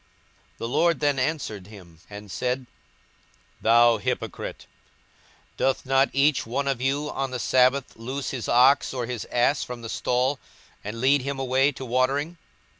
42:013:015 The Lord then answered him, and said, Thou hypocrite, doth not each one of you on the sabbath loose his ox or his ass from the stall, and lead him away to watering?